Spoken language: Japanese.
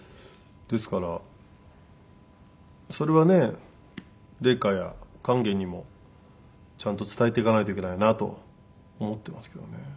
ですからそれはね麗禾や勸玄にもちゃんと伝えていかないといけないなと思ってますけどね。